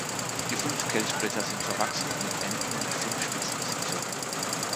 Die fünf Kelchblätter sind verwachsen und enden mit fünf spitzen Zipfeln.